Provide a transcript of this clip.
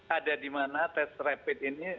ada dimana test rapid ini